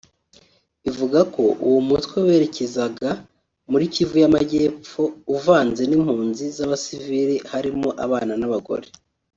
ivuga ko uwo mutwe werekezaga muri Kivu y’Amajyepfo uvanze n’impunzi z’abasivili barimo abana n’abagore